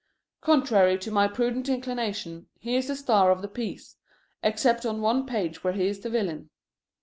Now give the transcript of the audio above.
Contrary to my prudent inclinations, he is the star of the piece, except on one page where he is the villain.